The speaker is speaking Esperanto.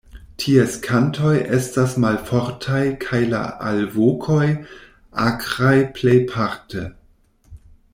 Ties kantoj estas malfortaj kaj la alvokoj akraj plejparte.